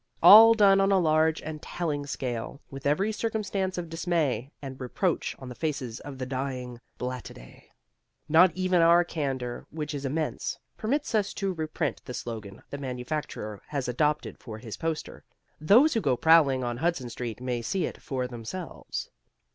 All done on a large and telling scale, with every circumstance of dismay and reproach on the faces of the dying blattidæ. Not even our candour, which is immense, permits us to reprint the slogan the manufacturer has adopted for his poster: those who go prowling on Hudson Street may see it for themselves.